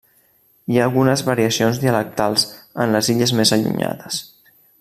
Hi ha algunes variacions dialectals en les illes més allunyades.